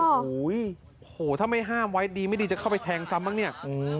โอ้โหถ้าไม่ห้ามไว้ดีไม่ดีจะเข้าไปแทงซ้ำบ้างเนี่ย